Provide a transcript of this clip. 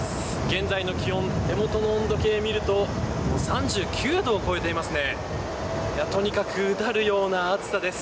現在の気温手元の温度計を見ると３９度を超えています。